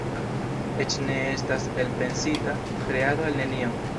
Eĉ ne estas elpensita "kreado el nenio.